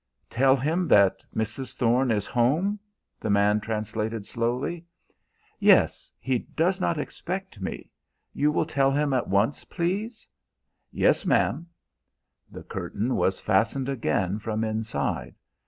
"Tell him that Mrs. Thorne is home?" the man translated slowly. "Yes. He does not expect me. You will tell him at once, please?" "Yes, ma'am." The curtain was fastened again from inside.